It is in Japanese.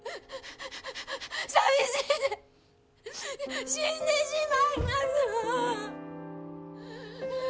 寂しいて死んでしまいますわ！